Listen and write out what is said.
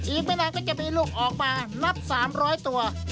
อีกไม่นานก็จะมีลูกออกมานับ๓๐๐ตัว